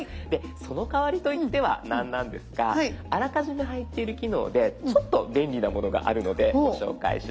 その代わりといっては何なんですがあらかじめ入っている機能でちょっと便利なものがあるのでご紹介します。